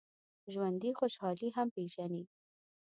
ژوندي خوشحالي هم پېژني